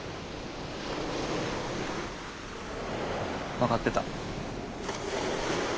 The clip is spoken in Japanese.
分かってた。